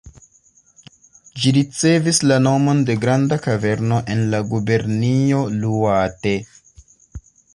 Ĝi ricevis la nomon de granda kaverno en la gubernio Iŭate.